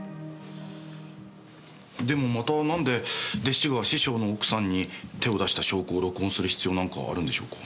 でもまたなんで弟子が師匠の奥さんに手を出した証拠を録音する必要なんかあるんでしょうか。